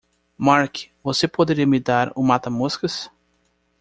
Marc, você poderia me dar o mata-moscas?